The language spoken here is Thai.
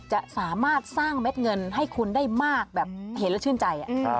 จะสามารถสร้างเม็ดเงินให้คุณได้มากแบบเห็นแล้วชื่นใจ